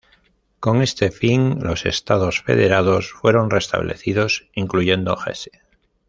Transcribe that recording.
Con este fin, los estados federados fueron restablecidos, incluyendo Hesse.